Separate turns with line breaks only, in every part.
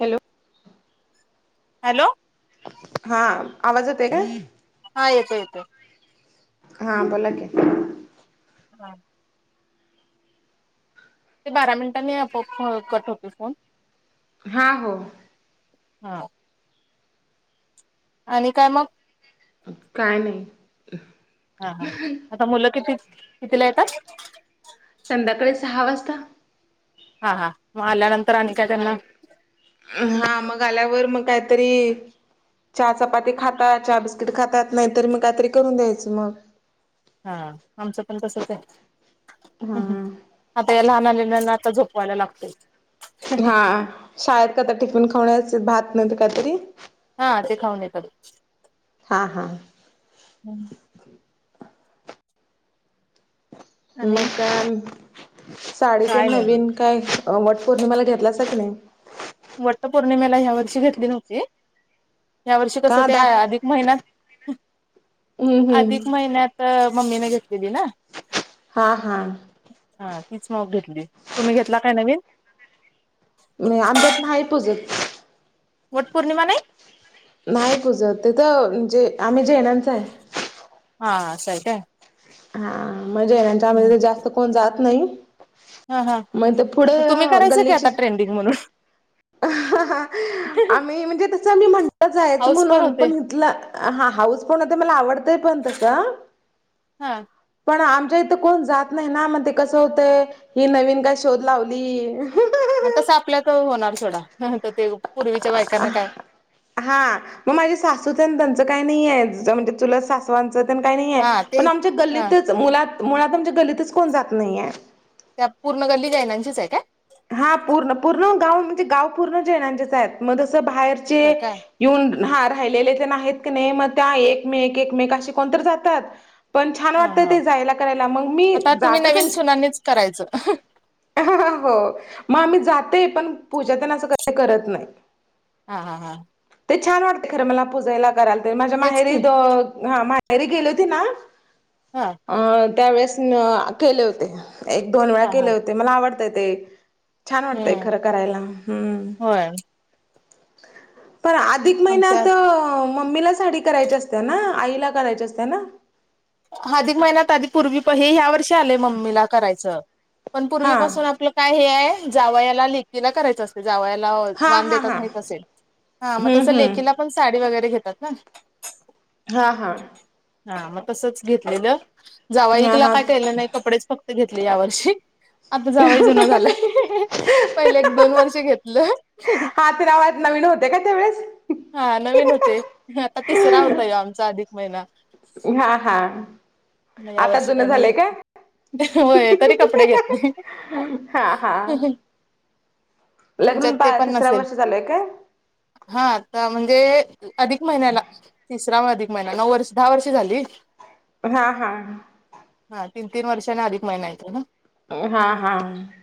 Hello
hello
हा आवाज येत आहे का
हा येत येतो
हां बोलाक
हा ते बारा मिनिटांनी आपोआप कट होते फोन
हा हो
हा आणि काय मग
काय नाही
हा हा आता मुलं किती कितीला येतात
संध्याकाळी सहा वाजता
हा हा मग आल्यानंतर आणि काय त्यांना
हा मग आल्यावर मग काहीतरी चहा चपाती खातात चहा बिस्किट खातात नाहीतर मी काहीतरी करून द्यायचं मग
हा आमचं पण तसच
हा
हाय आता या लहान आलेलाना आता झोपवायला लागतय
हा शाळेत काय तर टिफिन खावण्या भात नाही काहीतरी
हा ते खाऊन येतात
हां हां
हम्म
मग
आणि
काय साडी
काय
तेन
नाही बघ
नवीन काय वट पौर्णिमाला घेतलासा काय नाही
वट्ट पौर्णिमेला ह्या वर्षी घेतली नव्हती ह्या वर्षी कस
का
ते
दा
अधिक महिण्यात
हम्म हम्म
अधिक महिन्यात मम्मीने घेतलेली ना
हा हा
हा तीच मग घेतली तुम्ही घेतला काय नवीन
आमच्यात नाही पूजत
वाट पूर्णिमा नाही
नाही पूजत तिथं म्हणजे आम्ही जैनाच हाय
हा असं हाय काय
हा मग जैनाच्या मध्ये जास्त कोण जात नाही
हा हा
मग ते पुढ
तुम्ही करायचं की आता
गल्लीतलीच
ट्रेंडिंग म्हणून
आम्ही म्हणजे मी म्हटलं जायच
हाऊस
म्हणून
होते
पण इथलं हा हाऊस पण होते पण मला आवडतय पण तसं
हा
पण आमच्या इथं कोण जात नाही ना मण ते कसं होतंय ही नवीन काय शोध लावली
तसं आपल्याच होणार थोडा ते पूर्वीच्या बायकांना काय
हा मग माझे सासूच त्यांचं काही नाही आहे त म्हणजे चुलत सासू काही नाही आहे
हा ते
पण आमच्या
हा
गल्लीतच मुला मुळात आमच्या गल्लीतच कोण जात नाहीय
त्या पूर्ण गल्ली जैनाचीच आहे काय
हा पूर्ण पूर्ण गाव म्हणजे गाव पूर्ण जैनांचेच आहेत मग जसं बाहेरचे
होय काय
येऊन हा राहिलेले ते आहेत कणी मग त्या एकमेक एकमेक असे कोणत जातात पण छान
हा
वाटतं
हा
ते जायला करायला मग मी
आता तुम्ही
जात
नवीन सुनांनीच करायचं
हो मग आम्ही जाते पण पूजा तेन असं कधी करत नाहीत
हा हा हा
ते छान वाटते खरं मला पुूजाला करायल ते माझ्या
तेच
माहेरी
की
माहेरी गेले होते ना
हा
त्यावेेळेस केले होते एक दोन वेळा
हा
केले
हा
होते मला आवडतं ते छान वाटतंय
हम्म
खरं करायला हम्
होय
पण आ अधिक
आमच्या
महिन्यात मम्मीला साडी करायची असते ना आईला करायची असत्या ना
अधिक महिन्यात आधी पूर्वी हे ह्या वर्षी आले मम्मीला करायचं पण
हा
पूर्वीपासून आप आपलं काय हे हाय जावयाला लेक लेकीला करायच असतंय जावायला
हा
वाण
हा
देतात
हा
माहित असेल... हा मग
हम्म
तसं लेकीला
हम्म
पण साडी वगैरे घेतात ना
हां हां
हा मग तसच घेतलेलं
हा
जावईला
हा
काय केलं नाही कपडेच फक्त घेतले या वर्षी आता जावाई जुन झालाय पहिले एक दोन वर्ष घेतलं
हा ते रिवाज नवीन होते का त्या वेळेस
हा नवीन होते आता तिसरा होता हा आमचा अधिक महिना
हा हा
मग या
आता
वर्षी
जुन
काही नाही
झालंय काय?
घेतली होय तरी कपडे घेतले
हा हा लग्न
तुमच्यात ते
होऊन
पण
तिसऱ्या
नसेल
वर्ष चालू हाय काय
हा आता म्हणजे अधिक महिन्याला तिसरा म अधिक महिना नऊ वर्ष दहा वर्ष झाली
हा हा
हा तीन तीन वर्षांने अधिक महिना येत ना
हा हा ह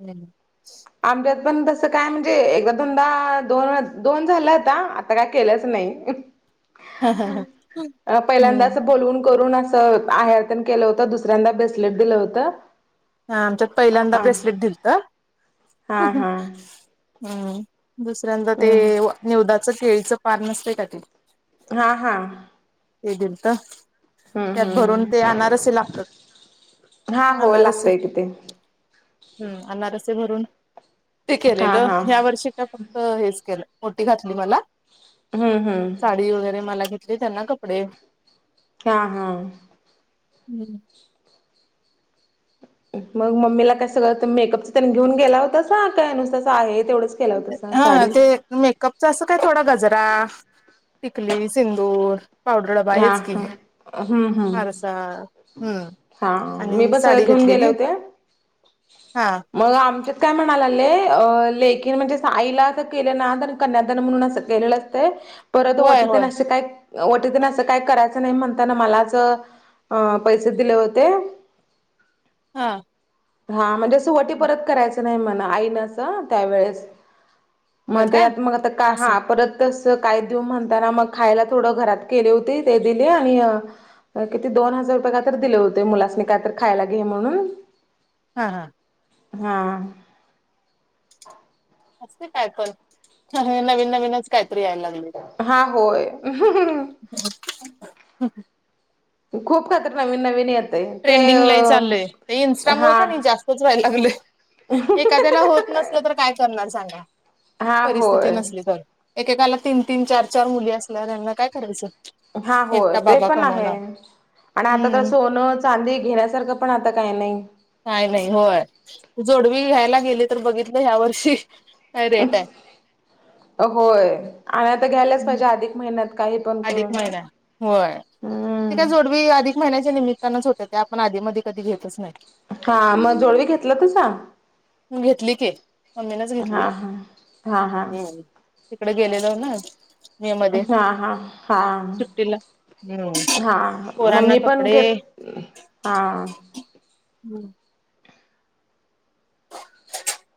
हम्म
आमच्यात पण तसं काय म्हणजे एकदा दोनदा दोन दोन झालं होता आता काय केलंच नाही
हम्म
अ पहिल्यांदा अस बोलून करून अस आरन केलं होत दुसऱ्यांदा ब्रेसलेट दिलं होतं
हा आमच्यात पहिल्यांदा
अ
ब्रेसलेट दिलत
हा हा
हम् दुसऱ्यांदा ते
हम्
न्यवदाचं केळीचं पन नसत का ते
हा हा
ते दिल तर त्यात
हम्म
भरून ते अनारसेी लागत
हा हो लागतय
अनारसी
कि ते
हम्म अनारसे भरून ते
हा
केलेलं
हा
या वर्षी का हेच केलं ओटी घातली मला
हम्म हम्म
साडी वगैरे मला घ त्यां ना कपडे
हा हा
हम्म
मग मम्मीला काय सगळं मेकअपचं त्यांनी घेऊन गेला होतासा काय नुसतं आहे तेवढंच केला होतासा
हा
साडी
ते मेकअपच असं काय थोडा गजरा टिकली सिंदूर पावडर
हा
बाहेच की
हा
नाही
हम्म हम्म
हारसा हम्म
हा
आणि
मी पण
साडी
सगळं घेऊन गेले
घेतलीलीी
होते.
हा
मग आमच्यात काय म्हणाला आले अ लेखीन म्हणजे साईला असं केलं नाण कन्यादान म्हणून असं केलेलं परत
होय
वटी
होय
काय व काही करायचं नाही म्हणताना मलाच पैसे दिले होते
हा
हा म्हणजे असवटी परत करायचं नाही म्हणा आईन असं त्यावेेळेस
होय
मग
काय
त्यात मग आता
असं
हा परत तस काय देऊ म्हणताना मग खायला थोडं घरात केले हो ते दिले आणि किती दोन हजार रुपये का तर दिले होते मुलासनी काय तर खायला घे म्हणून
हा हां
हा
असते काय करण ना भन भन काहीतरी यायला लागले
हा होय खूप खातर नवीन नवीन येत
ट्रेंडिंग लाही चालय इंस्टा
हा
मुळ का नाही जास्तच व्हायला लागलय एखाद्याला होत नसल तर काय करणार सांगा
हा
परिस्थिती
होय
नसली तर एकेकाला तीन तीन चार चार मुली असल्या त्यांना काय करायचं
हा हो
एकटा
ते
बाबा
पण आहे
कमवणार.
आणि आता तर
हम्म
सोनच चांदी घेण्यासारखं पण आता काही नाही
काय नाही होय जोडवी घ्यायला गेली तर बघितलं ह्या वर्षी रेट आहे
होय आणि आता घ्यायलाच पाहिजे अधिक महिन्यात काही पण
अधिक
करून.
महिना होय ते काय
हम्म
जोडवी अधिक महिन्याच्या निमित्तानंच होत ते आपण आधी मध कधी घेतच नाही
हा मग जोडवी घेतला तुझ
म घेतली के मम्मीनच घेतली
हा हा. हा हा
हम्म तिकडे गेलेलंऊ ना मे मध्ये
हा हा हा
सुट्टीला हम्म
हा मम्
पोरांना
ममी पण
कपडे
घेत हा
[unintelligible]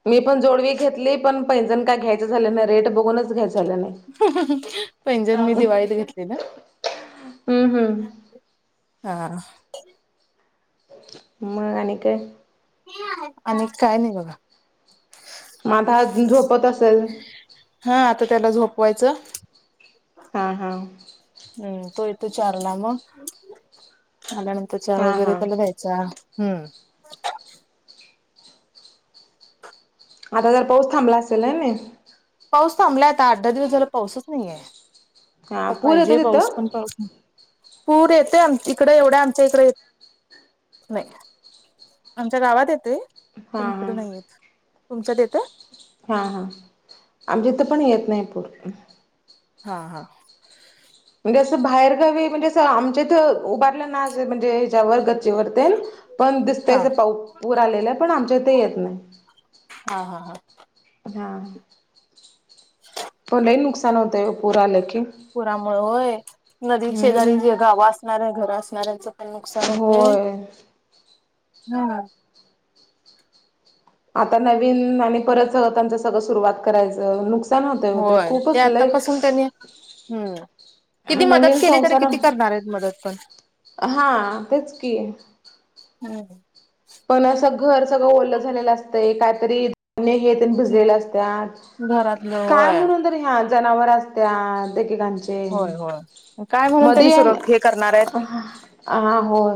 मी पण जोडवी घेतली पण पहिजण काय घ्यायचं झाले नाही रेट बघूनच घ्याय झालं नाही.
पैंजण मी दिवाळीला घेतली ना.
हम्म हम्म
हा.
मग आणि काय.
आणि काय नाही बघा.
म आता झोपत असेल.
हा आता त्याला झोपवायचं
हा हा.
हम्म तो येतो चारला मग आल्यानंतर चहा
हा
वगैरे
हा
त्याला द्यायचं. अच्छा हम्म.
आता जर पाऊस थांबला असेलय हाय ना.
पाऊस थांबलाय आता अठ दहा दिवस झाला पाऊसच नाहीये
हा
तर
पूर
पाहिजे
येतो
पाऊस
तिथं
पण पाऊस नाही. पूर येते आम इकडे एवढ्या आमच्या इकडे य नाही आमच्या गावात येतय
हा
पण इकड
हा
नाही येत तुमच्यात येतं.
हा हा आमच्या इथं पण येत नाही पूर.
हा हा.
म्हणजे असं बाहेरगावी म्हणजे असं आमच्या इथ उभारलं ना म्हणजे ह्याच्यावर गच्चीवर ते पण
हा
दिसतयस पा पूर आलेला आहे पण आमच्या इथे येत नाही.
हा हा हा
हा.
[unintelligible]
हो लय नुकसान होतंय पूर आल की.
पुरामुळे होय नदी शेजारी
हम्म
जे गाव असणार आहे घर असणाऱ्यांच नुकसान होते
होय
हम्म.
आता नवीन आणि परत त्यांंच सगळं सुरुवात करायचं नुकसान नुकसान होतं ते
होय
खूपच लई
आतापासून त्यांनी हम्म किती मदत
नवीन
केली तरी
संसार
किती करणार आहेत मदत पण
हा तेच कि.
[unintelligible]
पण असं घर सगळं ओलं झालेलं असतंय काहीतरी भिजलेले असत
घरातलं
काय
होय
म्हणून ह्या जनावर असत्या एक एकाचे
होय
ते
होय काय म्हणून त्यांनी
मध्ये
सुर हे करणार आहेत
ह होय.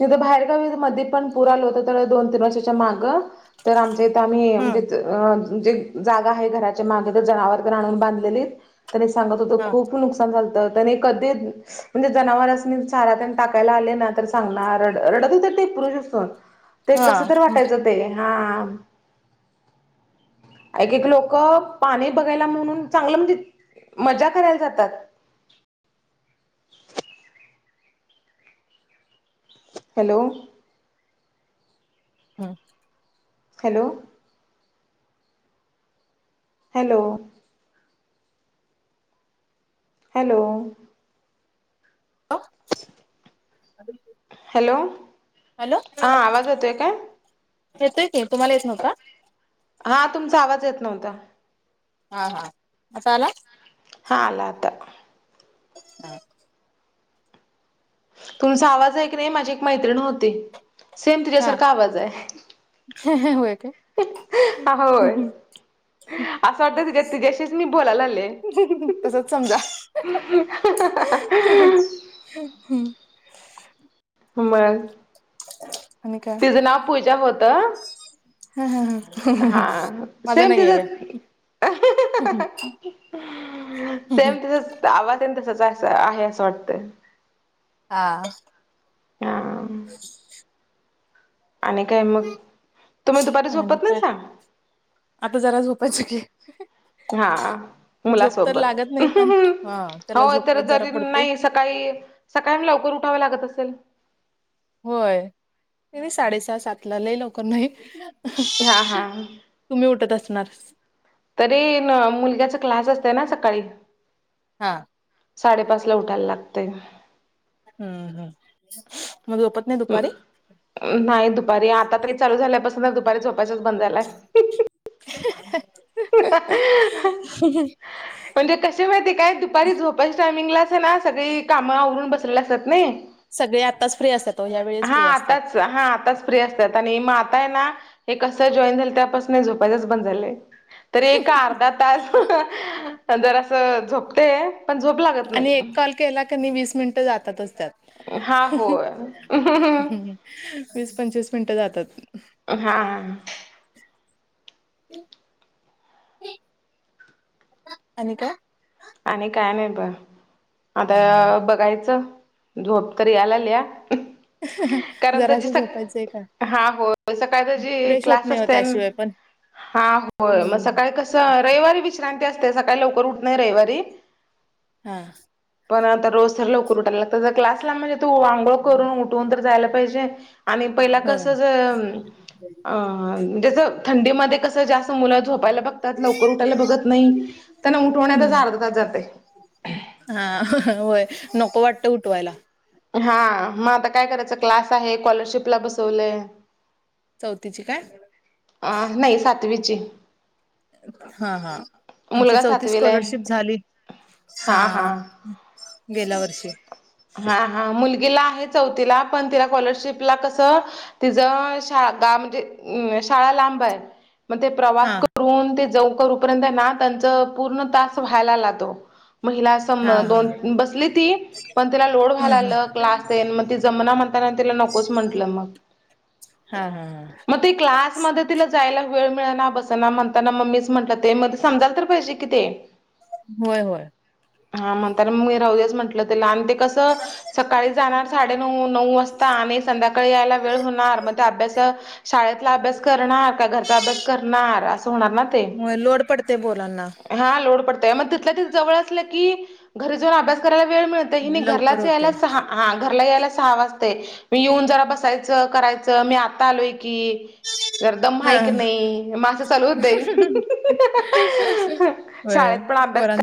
तिथं बाहेरगावी मध्ये पण पुर आलं होतं तर दोन तीन वर्षाच्या मागं तर आमच्या इथं आम्ही
हम्म.
म्हणजे जे जागा आहे घराच्या मागे तर जनावर तर आणून बांधलेली त्यां सांगत होत
हा
खूप नुकसान झाल त कधी त्यांनी कधी म्हणजे जनावरांसनी चारा टाकायला आले ना सांगणार रडत तर ते पुरुष असून ते कस
हा
तर वाटायचं ते हा. एक एक लोक पाणी बघायला म्हणून चांगलं म्हणजे मजा करायला जातात. Hello.
[unintelligible]
Hello. Hello. Hello.
[unintelligible]
Hello
hello
हा आवाज येतोय काय.
येतय की तुम्हाला येत नव्हता.
हा तुमचा आवाज येत नव्हता.
हा हा हा आता आला.
हा आला आता.
हा
तुमचा आवाज आहे की नाही माझी एक मैत्रिण होती सेम तीझ्यासारखा आवाज आहे
ह ह होय का
होय असं वाटत तुच्या तुझ्याशीच मी बोलायला आले
तसच समजा ह हा
मग
[inaudible]
तिचं नाव पूजा होतं हा
माझा
सेम
नाही आहे या.
तिचं सेमती आवाज अत तसचं आहे असं वाटत
हा
हा
ह
आणि काय मग तुमही दुपारी
आणि
झोपत ना
काय
सांग
आता जरा झोपायच की
हा
झोप तर
मुलासोबत
लागत नाही पण हा
हो
त्याला
तर
झोपवत जरा
जरी
पडते
नाही सकाळी सकाळ लवकर उठाव लागत असेल
होय त साडेसहा सात ला ल लवकर नाही
हा हा
तुम्ही उठत असणार
तरी मुलग्याचा क्लास असत ना सकाळी
हा
साडेपाच ला उठायला लागतय
हम्म हम् मज गप
नाही दुपारी आता तरी चालू झाल्यापासून तर दुपारी झोपायच्याच बंद झालाय
[inaudible]
हो
ह
कसे माहितीय काय दुपारी झोपाच्या टायमिंगला ना सगळी काम उरून बसले असतात नाही
सगळे आत्ताच फ्री असतातो ह्या वेळेच
हा
फ्री असतात
आताच हा आता फ्री असतात आणि आता आहेना मग कस जॉईन झालंय त्यापासून झोपायच बंद झा तर ए अर्धा तास जर असं झोपते पण झोप लागत
आणि एक
नाही
कॉल केला क नाही वीस मिनिटं जातातच त्यात.
हा होय
वीस पंचवीस मिनिटं जातात
हा
आणि का
आणि काय नाही ब
हा
आता
हा
बघायचं झोप तरी आला लि
जराचं झोपायचंय का
हा हो सकाळी त जी
फ्रेश होत
क्लास
नाही हो
असते
त्याशिवाय पण
हा होय मग
हम्म
सकाळी क रविवारी विश्रांती असते सकाळी लवकर उठ नाही रविवारी
हा
पण आता रोज सर लकर उठायला लागत ज कला म्हणजे तू करून उठवून तर जायला पाहिजे आणि पहिला
होय.
कसच अ म्हज थंडीमध्येध्ये कसं जास् मुलं झोपायला बघतात लवकर उठायला बघत नाही त्यांना उठवण्याचाच
हम्म
अर्धताच जाते
हा होय नको वाटतं उठवायला
हा मग आता काय करायचं क्लास आहे स्कॉलरशिपला बसवलंय
चौथीची काय
आ नाही सातवीच
हा हा आमची
मुलगा
चौथी
सातवीला आहे
स्कॉलरशिप झाली हा गेल्या वर्षी
हा हा मुलगीला आहे चौथीला पण तिला स्कॉलरशिपला कसं तिचं शा गा म्हणजे अ शाळा लांब आहे मग ते
हा
प्रवास करून ते ज कर त्यां पूर्ण त व्हाला लातो मला
हा हा
दोन बसली ती पण तिला लोड
हम्म
व्हायला
हम्म
आलं क्लास टेन मग ती जमना म्हणताना तिला नकोच म्हंटलं मग
हा हा हा
मग त क्लासमध्ये तिला जायला वेळ मिळना बस ना म्हणताना मम्मीच म्हटलं ते मग ते समजाल तर पहिजसे किती
होय होय
हा म्हणता मग हे राहदच म्हंटलं त्याला आणि ते कसं सकाळी जाणार साडेनऊ नऊ वाजता आणि संध्याकाळी यायला वेळ होणार मग ते अभ्यास शाळेतला अभ्यास करणार का घरचा अभ्यास करणार असं होणार ना ते
होय लोड पडते बोला ना
हा लोड पडतय मग तिथल्या ति जवळ असलं की घरी जाऊन अभ्यास करायला वेळ मिळत
लवकर
घरलाच यायला
होते.
सहा हा घरला यायला सहा वाजते मी येऊन जरा बसायचं करायचं मी आता आलोय की जर दम
हा.
माईक नाही मासं चालू होतय
होय
शाळेत पण अभ्यास
पोरांचा